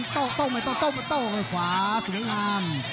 ต้องให้ต้องขวาสุดยอดงาม